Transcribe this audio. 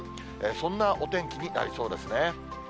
そんなお天気になりそうですね。